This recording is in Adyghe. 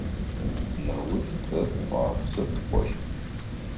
Неущ тэ Тӏуапсэ тыкӏощт.